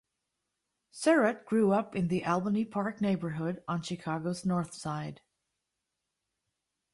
Sirott grew up in the Albany Park neighborhood on Chicago's North Side.